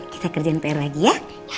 kita kerjain pr lagi ya